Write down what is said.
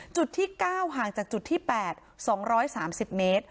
จุดที่๙ห่างจากจุดที่๘๒๓๐เมตร